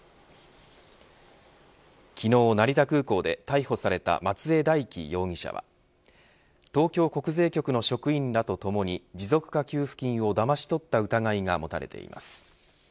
昨日、成田空港で逮捕された松江大樹容疑者は東京国税局の職員らとともに持続化給付金をだまし取った疑いが持たれています。